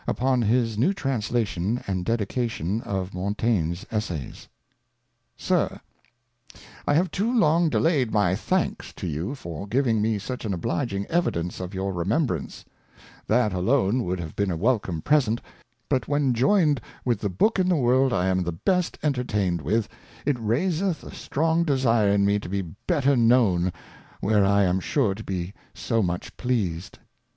upon his New Translation and Dedication o/' MontaigneV Essays. SIR. I have too long delayed my Thanks to you for giving me such an obhging Evidence of your Remembrance: That alone would have been a welcome Present, but when join'd with the Book in the World I am the best entertain'd with, it raiseth a strong desire in me to be better known, where I am sure to be so much pleased.